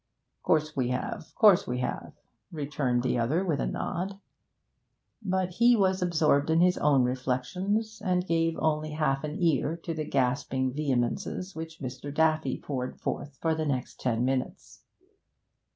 'Course we have, course we have,' returned the other, with a nod. But he was absorbed in his own reflections, and gave only half an ear to the gasping vehemences which Mr. Daffy poured forth for the next ten minutes.